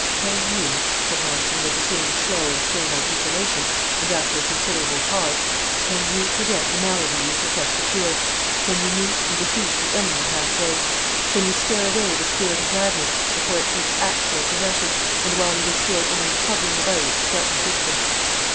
"Can you," said Marston, with the same slow and stern articulation, and after a considerable pause "can you prevent the malady you profess to cure? can you meet and defeat the enemy halfway? can you scare away the spirit of madness before it takes actual possession, and while it is still only hovering about its threatened victim?"